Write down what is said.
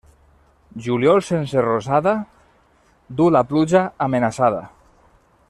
Juliol sense rosada duu la pluja amenaçada.